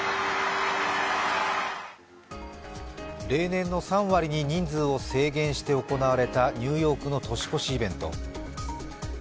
例年の３割に人数を制限して行われたニューヨークの年越しイベント。